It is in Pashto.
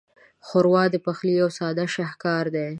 ښوروا د پخلي یو ساده شاهکار دی.